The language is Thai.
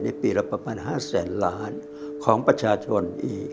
นักศึกษาเนี่ยปีราบประมาณ๕แสนล้านของประชาชน